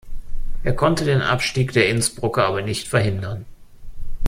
Er konnte den Abstieg der Innsbrucker aber nicht verhindern.